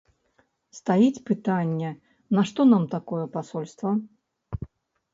Стаіць пытанне, нашто нам такое пасольства?